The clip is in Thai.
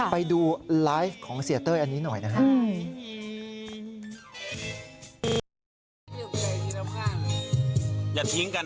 ไปดูไลฟ์ของเสียเต้ยอันนี้หน่อยนะครับ